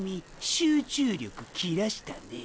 集中力きらしたね。